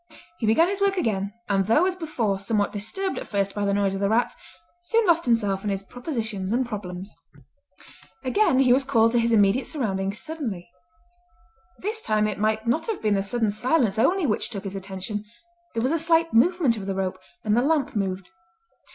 He began his work again, and though as before somewhat disturbed at first by the noise of the rats, soon lost himself in his propositions and problems. Again he was called to his immediate surroundings suddenly. This time it might not have been the sudden silence only which took his attention; there was a slight movement of the rope, and the lamp moved.